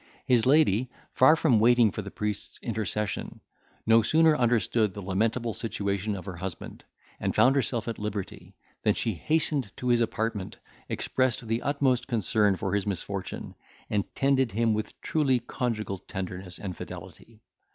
His lady, far from waiting for the priest's intercession, no sooner understood the lamentable situation of her husband, and found herself at liberty, than she hastened to his apartment, expressed the utmost concern for his misfortune, and tended him with truly conjugal tenderness and fidelity.